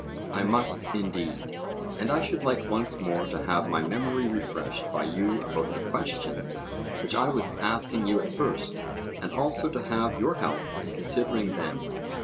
I must, indeed. And I should like once more to have my memory refreshed by you about the questions which I was asking you at first, and also to have your help in considering them.